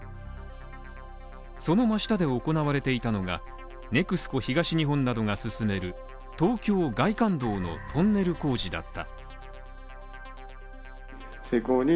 その真下で行われていたのが、ＮＥＸＣＯ東日本などが進める東京外環道のトンネル工事だった。